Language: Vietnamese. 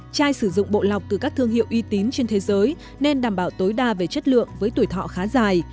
chai sử dụng bộ lọc từ các thương hiệu uy tín trên thế giới nên đảm bảo tối đa về chất lượng với tuổi thọ khá dài